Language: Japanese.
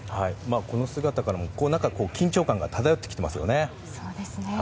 この姿からも緊張感が漂ってきていますね。